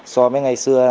so với ngày xưa